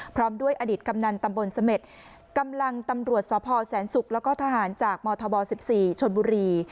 พร้อมด้วยอดีตกำนันตำบลเสม็ดกำลังตำรวจสพแสนศุกร์แล้วก็ทหารจากมธบ๑๔ชนบุรี